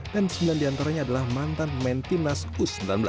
dan sembilan diantaranya adalah mantan main tim nas u sembilan belas